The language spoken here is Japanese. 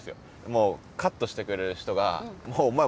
もうカットしてくれる人がもうお前